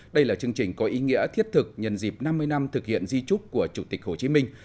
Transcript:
đây là chương trình có ý nghĩa thiết thực nhân dịp năm mươi năm thực hiện di trúc của chủ tịch hồ chí minh